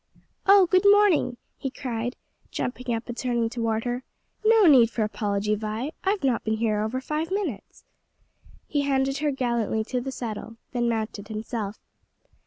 "Oh, good morning," he cried, jumping up and turning toward her. "No need for apology, Vi, I've not been here over five minutes." He handed her gallantly to the saddle, then mounted himself.